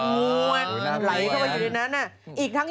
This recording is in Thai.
กูดแล้วนะครับ